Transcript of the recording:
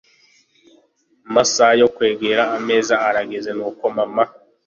Amasaha yokwegera ameza yarageze nuko mama